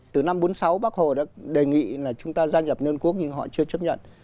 từ năm bốn mươi sáu bác hồ đã đề nghị là chúng ta gia nhập nhân quốc nhưng họ chưa chấp nhận